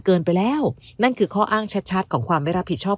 เกินไปแล้วนั่นคือข้ออ้างชัดชัดของความไม่รับผิดชอบ